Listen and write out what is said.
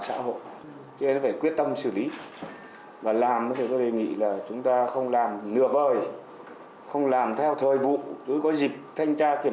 có những biện pháp mạnh mẽ để xử lý các nhà mạng viễn thông việc thu hồi sim